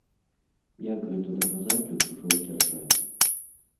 Як гэта даказаць у чужой дзяржаве?